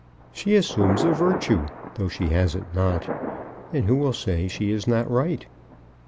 She assumes a virtue, though she has it not; and who will say she is not right?